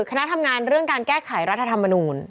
คณะทำงานเรื่องการแก้ไขรัฐธรรมนูล